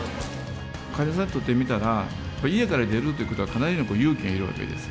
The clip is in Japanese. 患者さんにとってみたら、家から出るということはかなりの勇気がいるわけです。